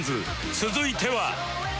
続いては